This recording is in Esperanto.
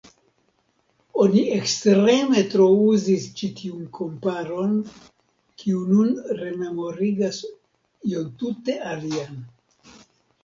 Oni ekstreme trouzis ĉi tiun komparon, kiu nun rememorigas ion tute alian.